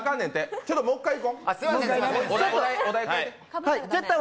ちょっともう一回いこ。